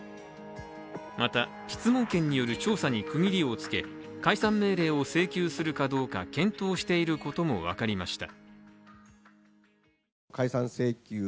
また、質問権による調査に区切りをつけ解散命令を請求するかどうか検討していることも分かりました。